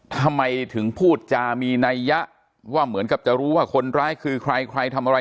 ทำไมถึงพูดจามีนัยยะว่าเหมือนกับจะรู้ว่าคนร้ายคือใครใครทำอะไร